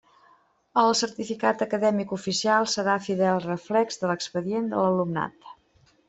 El certificat acadèmic oficial serà fidel reflex de l'expedient de l'alumnat.